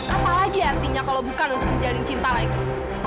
apalagi artinya kalau bukan untuk menjalin cinta lagi